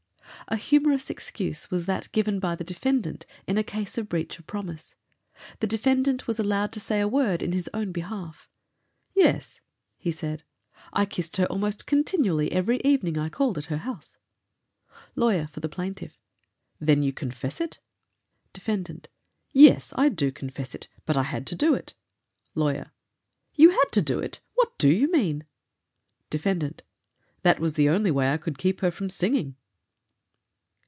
A humorous excuse was that given by the defendant in a case of breach of promise. The defendant was allowed to say a word in his own behalf. "Yes," he said, "I kissed her almost continually every evening I called at her house." Lawyer for plaintiff: "Then you confess it?" Defendant: "Yes, I do confess it, but I had to do it." Lawyer: "You had to do it! What do you mean?" Defendant: "That was the only way I could keep her from singing."